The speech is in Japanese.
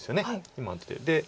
今の手で。